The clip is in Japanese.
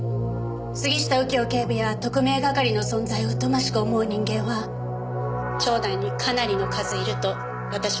杉下右京警部や特命係の存在を疎ましく思う人間は庁内にかなりの数いると私は思います。